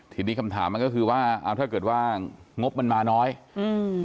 ทีนี้คำถามมันก็คือว่าเอาถ้าเกิดว่างบมันมาน้อยอืม